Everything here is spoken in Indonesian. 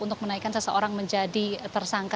untuk menaikkan seseorang menjadi tersangka